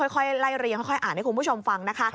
ค่อยไล่เรียงค่อยอ่านให้คุณผู้ชมฟังนะคะ